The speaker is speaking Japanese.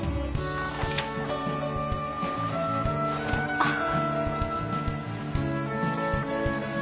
ああ。